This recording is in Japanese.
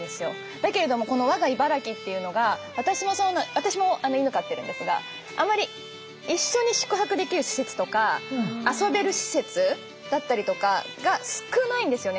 だけれどもこの我が茨城っていうのが私も犬飼ってるんですがあまり一緒に宿泊できる施設とか遊べる施設だったりとかが少ないんですよね